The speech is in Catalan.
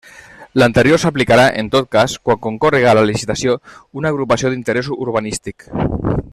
L'anterior s'aplicarà, en tot cas, quan concórrega a la licitació una agrupació d'interés urbanístic.